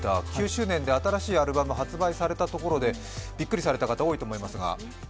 ９周年で新しいアルバムが発売されたところで、びっくりされた方、多いと思いますが。